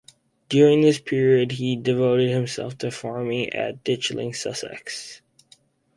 During this period he devoted himself to farming at Ditchling, Sussex.